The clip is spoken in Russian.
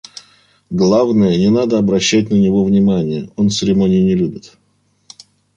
Главное, не надо обращать на него внимания: он церемоний не любит.